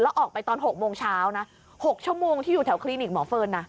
แล้วออกไปตอน๖โมงเช้านะ๖ชั่วโมงที่อยู่แถวคลินิกหมอเฟิร์นนะ